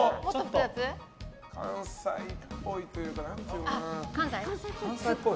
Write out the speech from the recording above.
関西っぽいというか何だろうな。